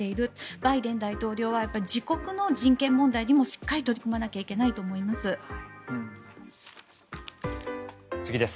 バイデン大統領は自国の人権問題にもしっかり取り組まないといけないと思います。